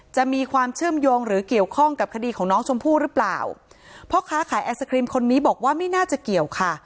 จะมีความเชื่อมโยงหรือเกี่ยวข้องกับคดีของน้องชมพู่หรือเปล่าพ่อค้าขายไอศครีมคนนี้บอกว่าไม่น่าจะเกี่ยวค่ะ